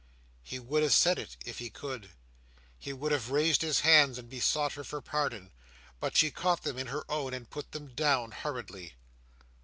He would have said it, if he could. He would have raised his hands and besought her for pardon, but she caught them in her own, and put them down, hurriedly.